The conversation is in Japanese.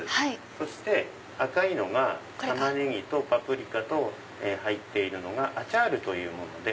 そして赤いのがタマネギとパプリカと入ってるアチャールというもので。